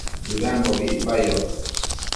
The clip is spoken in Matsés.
bëdambobi icpayoc